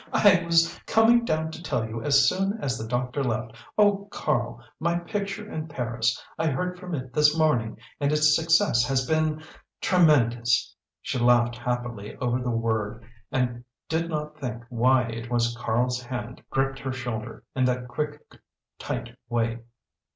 "I was coming down to tell you as soon as the doctor left. Oh Karl my picture in Paris I heard from it this morning, and its success has been tremendous!" She laughed happily over the word and did not think why it was Karl's hand gripped her shoulder in that quick, tight way.